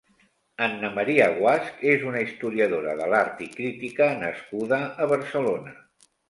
Anna Maria Guasch és una historiadora de l'art i crítica nascuda a Barcelona.